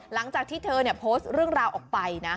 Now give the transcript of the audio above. หลังจากที่เธอโพสต์เรื่องราวออกไปนะ